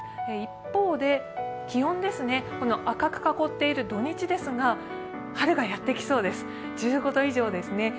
一方で気温ですね、赤く囲っている土日ですが春がやってきそうです、１５度以上ですね。